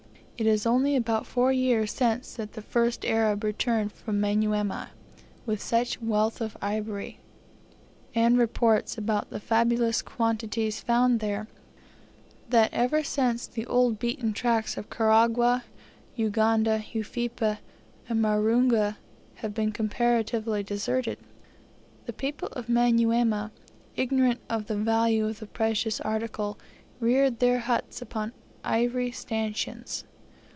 It is only about four years since that the first Arab returned from Manyuema, with such wealth of ivory, and reports about the fabulous quantities found there, that ever since the old beaten tracks of Karagwah, Uganda, Ufipa, and Marungu have been comparatively deserted. The people of Manyuema, ignorant of the value of the precious article, reared their huts upon ivory stanchions.